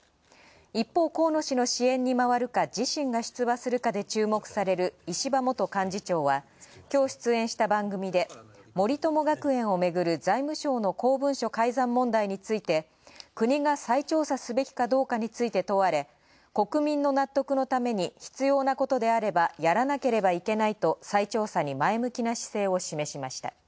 一方、河野氏の支援に回るか、自身が出馬するかで注目される石破元幹事長は、今日出演した番組で森友学園をめぐる財務省の公文書改ざん問題について国が再調査すべきかどうかについて問われ「国民の納得のために必要なことであればやらなければいけない」と再調査に前向きな姿勢を示しました。